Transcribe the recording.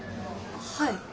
はい。